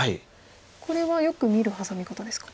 これはよく見るハサミ方ですか。